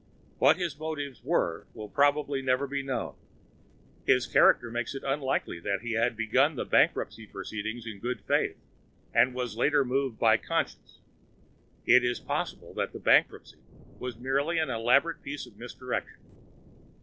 What his motives were will probably never be known. His character makes it unlikely that he began the bankruptcy proceedings in good faith and was later moved by conscience. It is possible that the bankruptcy was merely an elaborate piece of misdirection.